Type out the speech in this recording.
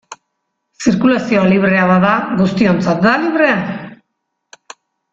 Zirkulazioa librea bada, guztiontzat da librea.